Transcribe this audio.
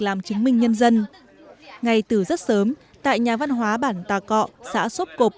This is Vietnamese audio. làm chứng minh nhân dân ngay từ rất sớm tại nhà văn hóa bản tà cọ xã sốp cộp